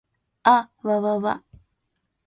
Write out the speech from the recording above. あっわわわ